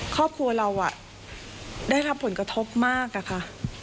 ครอบครัวเราได้รับผลกระทบมากอะค่ะ